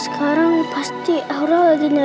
sekarang pasti aura lagi susah